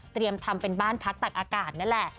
ทำเป็นบ้านพักตักอากาศนั่นแหละ